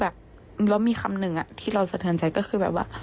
แล้วมีคำหนึ่งที่เราสะเทือนใจก็คือแบบว่า